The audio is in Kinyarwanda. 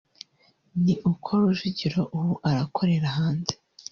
ni uko Rujugiro ubu arakorera hanze